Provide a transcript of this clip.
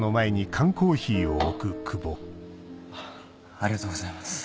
ありがとうございます。